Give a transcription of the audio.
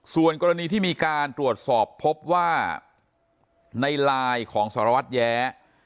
ส่วนกรณีที่มีการตรวจสอบพบว่าในไลน์ของสารวัตรแย้